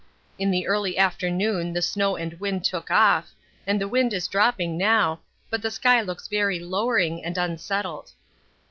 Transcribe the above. In the early afternoon the snow and wind took off, and the wind is dropping now, but the sky looks very lowering and unsettled.